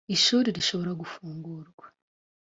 ishuri rishobora gufungurwa